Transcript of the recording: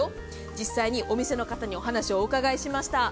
実際にお店の方にお話をお伺いしました。